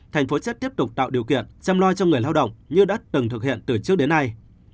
thành phố sẽ tiếp tục tạo điều kiện chăm lo cho người lao động như đã từng thực hiện từ trước đến nay